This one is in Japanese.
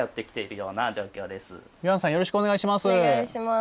よろしくお願いします。